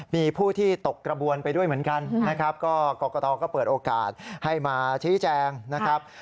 มีผู้ที่ตกกระบวนไปด้วยเหมือนกันนะครับก็กรกตก็เปิดโอกาสให้มาชี้แจงนะครับ